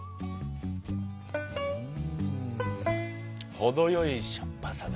ほどよいしょっぱさだ。